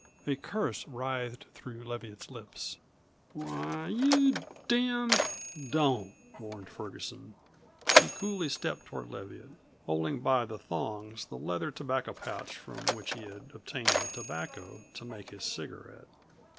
A curse writhed through Leviatt's lips. "Why, you damned " "Don't!" warned Ferguson. He coolly stepped toward Leviatt, holding by the thongs the leather tobacco pouch from which he had obtained the tobacco to make his cigarette.